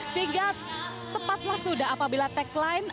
sehingga tepatlah sudah apabila tagline